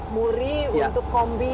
muri untuk kombi